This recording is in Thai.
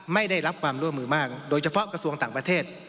ไม่ได้รับความร่วมมือมากโดยเฉพาะกระทรวงต่างประเทศ